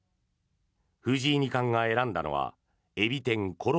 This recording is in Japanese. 藤井二冠が選んだのは海老天ころ